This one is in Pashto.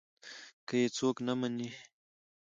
که يې څوک نه مني.